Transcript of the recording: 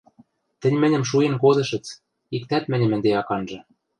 Тӹнь мӹньӹм шуэн кодышыц, иктӓт мӹньӹм ӹнде ак анжы.